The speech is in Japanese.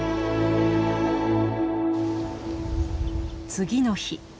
次の日。